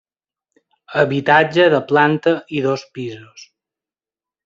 Habitatge de planta i dos pisos.